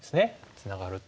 ツナがると。